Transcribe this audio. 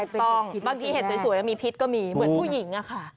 บางทีเห็ดสวยมีพิษก็มีเหมือนผู้หญิงอะค่ะ